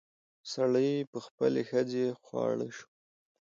سړي په خپلې ښځې خواړه شو.